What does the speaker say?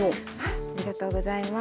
ありがとうございます。